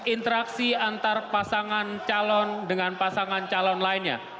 interaksi antar pasangan calon dengan pasangan calon lainnya